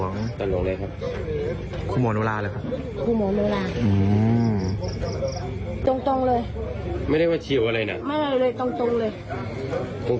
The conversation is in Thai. มีแผนกำไรตาหลวง